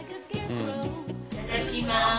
いただきます。